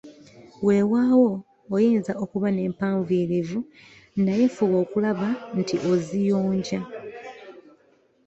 Weewaawo oyinza okuba nempanvuyirivu naye fuba okulaba nti oziyonja.